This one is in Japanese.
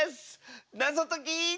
なぞとき。